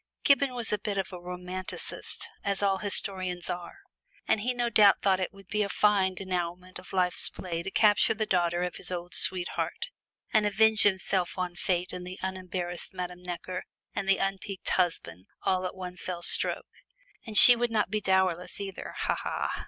Gibbon was a bit of a romanticist, as all historians are, and he no doubt thought it would be a fine denouement to life's play to capture the daughter of his old sweetheart, and avenge himself on Fate and the unembarrassed Madame Necker and the unpiqued husband, all at one fell stroke and she would not be dowerless either. Ha, ha!